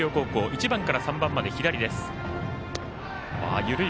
１番から３番まで左です。